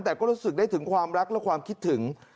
แต่ก็รู้สึกได้ถึงความรักและความคิดถึง